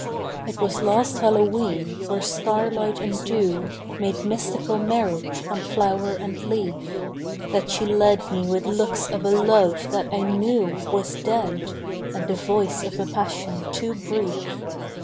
It was last Hallowe'en where starlight and dew Made mystical marriage on flower and leaf, That she led me with looks of a love, that I knew Was dead, and the voice of a passion too brief.